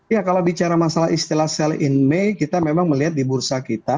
ya kalau bicara masalah istilah sell in may kita memang melihat di bursa kita